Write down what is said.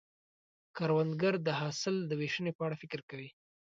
کروندګر د حاصل د ویشنې په اړه فکر کوي